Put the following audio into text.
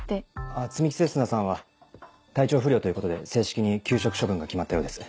あぁ摘木星砂さんは体調不良ということで正式に休職処分が決まったようです。